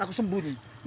saya veteran cerita bem